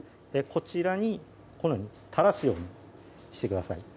こちらにこのように垂らすようにしてください